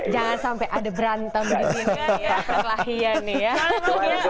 jangan sampai ada berantem gitu